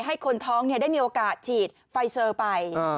ให้คนท้องได้มีโอกาสฉีดไฟเซอร์ไป